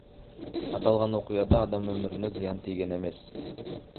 Аталган окуяда адам өмүрүнө зыян тийген эмес.